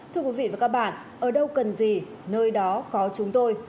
thưa quý vị và các bạn ở đâu cần gì nơi đó có chúng tôi